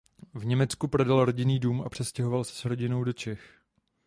V Německu prodal rodinný dům a přestěhoval se s rodinou do Čech.